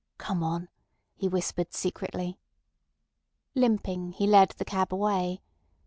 "Come on," he whispered secretly. Limping, he led the cab away.